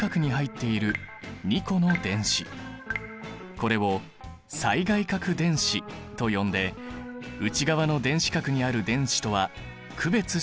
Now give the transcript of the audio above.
これを最外殻電子と呼んで内側の電子殻にある電子とは区別しているんだ。